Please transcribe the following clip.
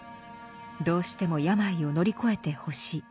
どうしても病を乗り越えてほしい。